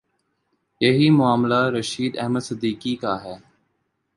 یہی معاملہ رشید احمد صدیقی کا ہے۔